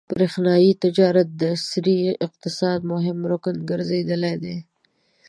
برېښنايي تجارت د عصري اقتصاد مهم رکن ګرځېدلی دی.